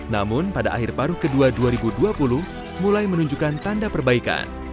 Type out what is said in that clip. namun pada akhir paruh kedua dua ribu dua puluh mulai menunjukkan tanda perbaikan